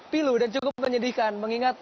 pilu dan cukup menyedihkan mengingat